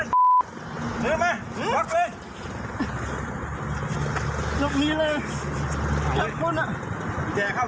นึกมั้ยล๊อคไป